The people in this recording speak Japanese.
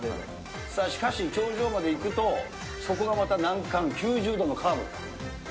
しかし、頂上まで行くと、そこがまた難関、９０度のカーブ。